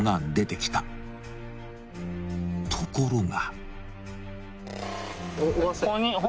［ところが］